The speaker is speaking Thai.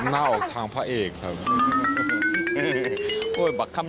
หน้าออกทางพระเอกครับค่ะหน้าออกทางพระเอกครับ